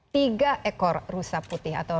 tiga ekor rusa putih atau